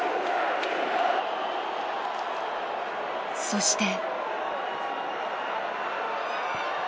そして。